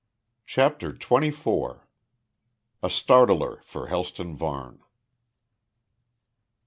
CHAPTER TWENTY FOUR. A STARTLER FOR HELSTON VARNE.